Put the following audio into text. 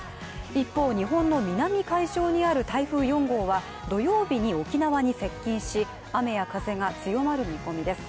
一方、日本の南海上にある台風４号は土曜日に沖縄に接近し、雨や風が強まる見込みです。